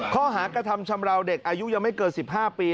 ข้อหากระทำชำราวเด็กอายุยังไม่เกิน๑๕ปี